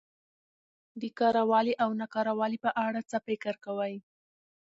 د کره والي او نا کره والي په اړه څه فکر کوؽ